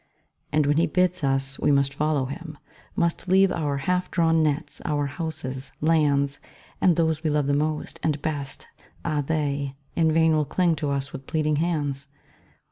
And when he bids us we must follow him, Must leave our half drawn nets, our houses, lands, And those we love the most, and best, ah they In vain will cling to us with pleading hands!